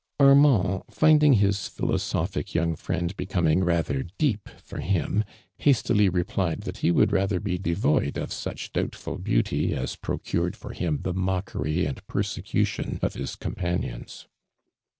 Annand, finding hin piiiioxophic young fiiend hucomiiig rather det'p for him, hiwti ly ropliod that ho would rathor bo devoid ot' such douhtlul beauty as procured for him the mockery and iMMseeiition of hi.s companions.